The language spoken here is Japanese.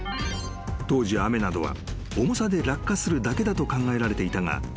［当時雨などは重さで落下するだけだと考えられていたが］